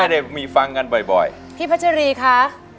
ได้มีฟังกันบ่อยพี่พัชรีคะ